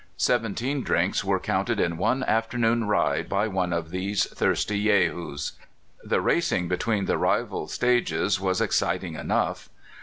Seventeen drinks were counted in one forenoon ride by one of these thirsty Jehus. The racing between the rival stages was exciting enough.